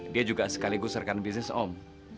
dia juga sekali gusarkan bisnis om